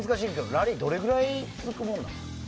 ラリーはどれぐらい続くものですか。